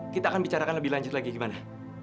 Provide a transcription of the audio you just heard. kita akan bicarakan lebih lanjut lagi gimana